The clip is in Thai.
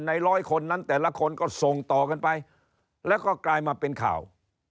ร้อยคนนั้นแต่ละคนก็ส่งต่อกันไปแล้วก็กลายมาเป็นข่าว